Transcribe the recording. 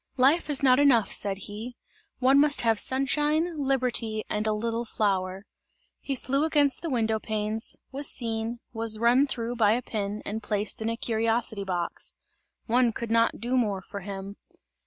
"Life is not enough," said he, "one must have sunshine, liberty and a little flower!" He flew against the window panes, was seen, was run through by a pin and placed in a curiosity box; one could not do more for him.